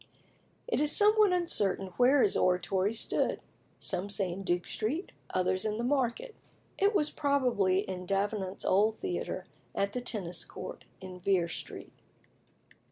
It is somewhat uncertain where his Oratory stood: some say in Duke Street; others, in the market. It was probably in Davenant's old theatre, at the Tennis Court in Vere Street.